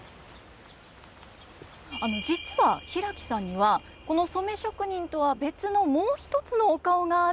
実は平木さんにはこの染職人とは別のもう一つのお顔があるんですよね。